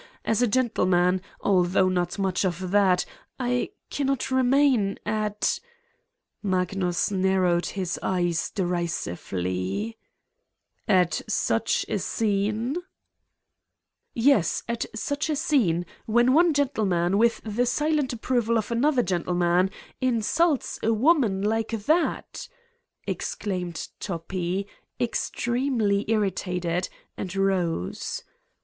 As a gentleman, although not much of that, I ... cannot remain ... at ..." Magnus narrowed his eyes derisively: "At such a scene V 9 "Yes, at such a scene, when one gentleman, with the silent approval of another gentleman, insults a woman like that/' exclaimed Toppi, extremely irritated, and rose.